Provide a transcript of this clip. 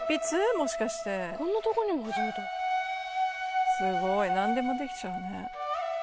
もしかしてこんなとこにもすごい何でもできちゃうのね